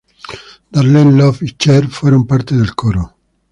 Darlene Love y Cher fueron parte del coro.